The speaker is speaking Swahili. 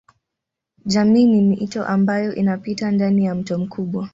Jamii ni mito ambayo inapita ndani ya mto mkubwa.